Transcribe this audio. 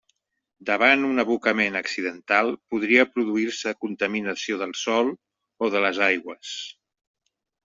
Davant un abocament accidental, podria produir-se contaminació del sòl o de les aigües.